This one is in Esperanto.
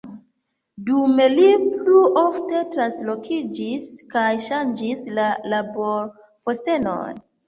Dume li plu ofte translokiĝis, kaj ŝanĝis la laborpostenon.